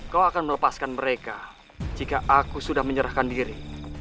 kau akan melepaskan mereka jika aku sudah menyerahkan diri